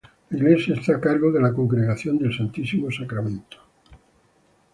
La iglesia está a cargo de la Congregación del Santísimo Sacramento.